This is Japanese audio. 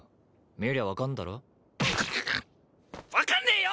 見りゃ分かんだろ分かんねえよ！